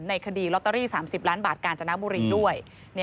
คดีลอตเตอรี่๓๐ล้านบาทกาญจนบุรีด้วย